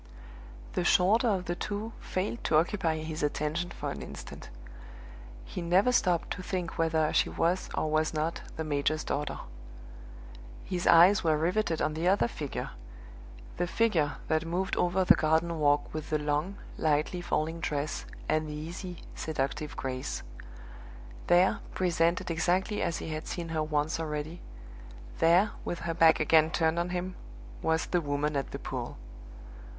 The shorter of the two failed to occupy his attention for an instant; he never stopped to think whether she was or was not the major's daughter. His eyes were riveted on the other figure the figure that moved over the garden walk with the long, lightly falling dress and the easy, seductive grace. There, presented exactly as he had seen her once already there, with her back again turned on him, was the Woman at the pool!